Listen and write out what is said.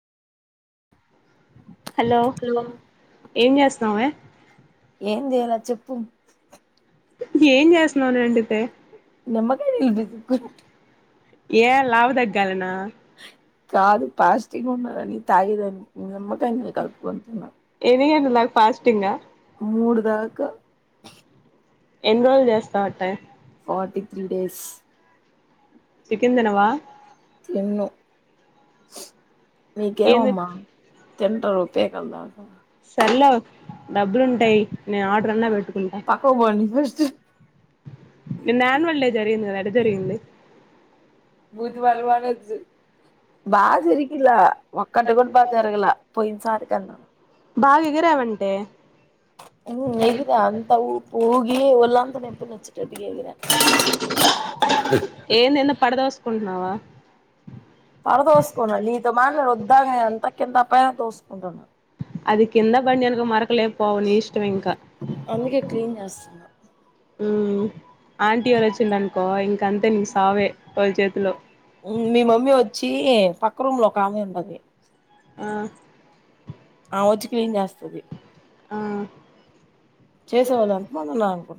Hello ఏం చేస్తున్నావే. ఏం చేయాలా చెప్పు ఏం చేస్తున్నావు అని అండితే. నిమ్మకాయ [unintelligible] గొట్ ఏ లావు దగ్గాలనా. కాదు ఫాస్టింగ్ ఉన్నదని తాగే దానికి నిమ్మక్ కాయ్ నీళ్ళు కలుపుకుంటున్నా. ఎన్ని గంటల దాకా ఫాస్టింగా మూడు దాకా ఎన్ని రోజులు చేస్తావ్ అట్ట ఫార్టీ త్రీ డేస్ చికెన్ తినవా. తిన్ను ఏంది నీకేవమ్మా తింటరు పికల్దాక సర్లే డబ్బులుంటే ఎయి నేను ఆర్డర్ అన్నా పెట్టుకుంటా. పక్కకు పోండి ఫస్ట్ నిన్న ఆన్యువల్ డే జరిగింది గదా ఎట్ట జరిగింది. మీది వన్ వన్ వచ్చి బాగా జరిగిలా ఒక్కటి కూడా బాగా జరగలా పోయిన్సారికన్నా. బాగ ఎగిరావంటే. హ్ము ఎగిరా అంత ఊపు ఊగీ ఒళ్ళంతా నెప్పులు వచ్చేటట్టుగ ఎగిరా. ఏంది ఎందో పడదోసుకుంటున్నావా. పడతోసుకున్నా నీతో మాట్లాడ ఒద్దాకానే అంతా కిందా పైనా తోసుకుంటున్నా. అది కింద బనియన్కు మరకలే పోవు నీ ఇష్టం ఇంకా అందుకే క్లీన్ చేస్తున్నా. ఊ ఆంటీ వాళ్ళు వచ్చిండ్రనుకో ఇంక అంతే నీ సావే వాళ్ళ చేతిలో. మీ మమ్మీ వచ్చీ పక్క రూమ్ లో ఒక ఆమె ఉండది. ఆ ఆ వచ్చి క్లీన్ చేస్తది ఆ చేసేవాళ్ళ అంత మనం నా